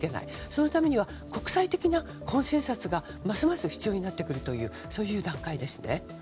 そのためには国際的なコンセンサスがますます必要になってくるという段階ですね。